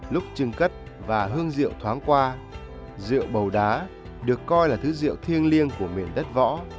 lúc trưng cất và hương diệu thoáng qua rượu bầu đá được coi là thứ rượu thiêng liêng của miền đất võ